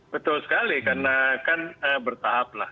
betul sekali karena kan bertahap lah